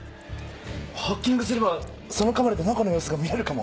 ハッキングすればそのカメラで中の様子が見れるかも。